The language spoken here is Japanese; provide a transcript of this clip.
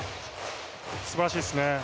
すばらしいですね。